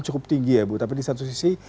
cukup tinggi ya bu tapi di satu sisi